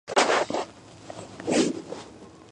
მიწაზე დავარდნილი მასუდის ახლოს იპოვეს თავდამსხმელის ორი დანა.